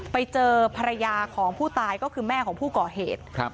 ไปเจอภรรยาของผู้ตายก็คือแม่ของผู้ก่อเหตุ